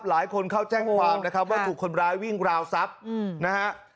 หลายคนเข้าแจ้งความนะครับว่าถูกคนร้ายวิ่งราวทรัพย์นะฮะ